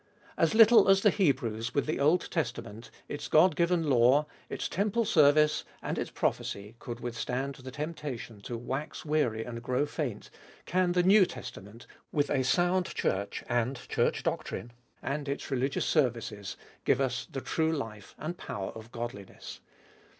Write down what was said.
As little as the Hebrews with the Old Testament, its God given law, its temple service, and its prophecy, could withstand the temptation to "wax weary and grow faint," can the New Testament, with a sound Church and Church doctrine, and its religious services, give us the true life and power of godliness.